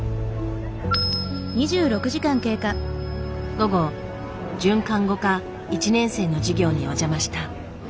午後准看護科１年生の授業にお邪魔した。